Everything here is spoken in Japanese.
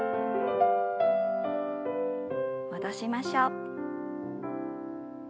戻しましょう。